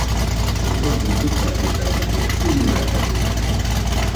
ɨfogɨ dutadutadɨkue, ɨnɨakadɨkue